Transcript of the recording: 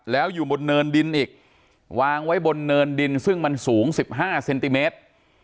แล้วอยู่บนเนินดินอีกวางไว้บนเนินดินซึ่งมันสูง๑๕เซนติเมตร